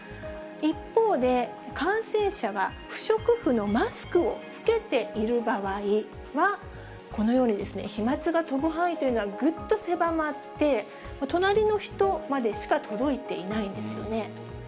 一方で、感染者が不織布のマスクを着けている場合は、このように、飛まつが飛ぶ範囲というのはぐっと狭まって、隣の人までしか届いていないんですよね。